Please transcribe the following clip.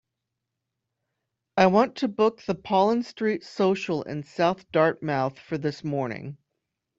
I want to book the Pollen Street Social in South Dartmouth for this morning.